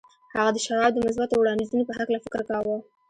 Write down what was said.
هغه د شواب د مثبتو وړاندیزونو په هکله فکر کاوه